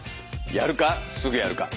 やるかすぐやるか。